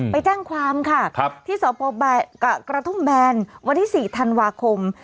ไปแจ้งความค่ะที่สพกระทุ่มแบนวันที่๔ธันวาคม